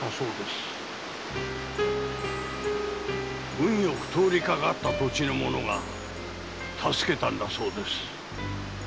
運よく通りかかった土地の者が助けたんだそうです。